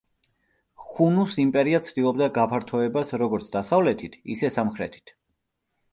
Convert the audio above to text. ხუნუს იმპერია ცდილობდა გაფართოებას როგორც დასავლეთით ისე სამხრეთით.